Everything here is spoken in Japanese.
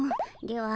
では